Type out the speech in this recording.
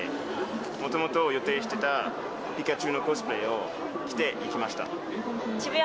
もともと予定してたピカチュウのコスプレを着て来ました。